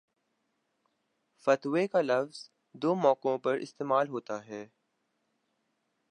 فتوے کا لفظ دو موقعوں پر استعمال ہوتا ہے